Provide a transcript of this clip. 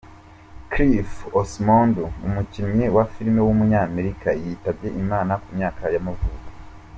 Cliff Osmond, umukinnyi wa filime w’umunyamerika yitabye Imana ku myaka y’amavuko.